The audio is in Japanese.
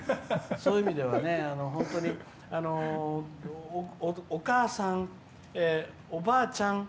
そういう意味では本当にお母さん、おばあちゃん